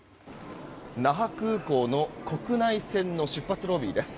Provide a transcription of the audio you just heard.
那覇空港の国内線の出発ロビーです。